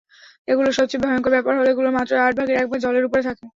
এগুলোর সবচেয়ে ভয়ংকর ব্যাপার হলো, এগুলোর মাত্রই আট ভাগের এক ভাগ জলের উপরে থাকে।